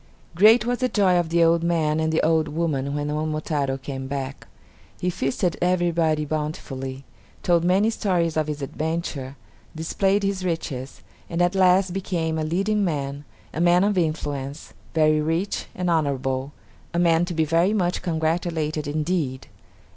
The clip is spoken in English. Great was the joy of the old man and the old woman when Momotaro came back. He feasted everybody bountifully, told many stories of his adventure, displayed his riches, and at last became a leading man, a man of influence, very rich and honorable; a man to be very much congratulated indeed!!